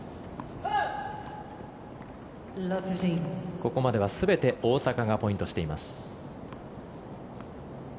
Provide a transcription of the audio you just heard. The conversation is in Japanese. ここまでは全て大坂がポイントしています。